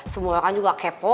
semua orang juga kepo